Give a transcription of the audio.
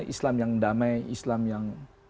islam yang damai islam yang